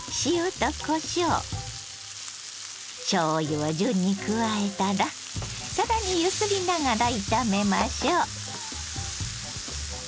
を順に加えたら更に揺すりながら炒めましょう。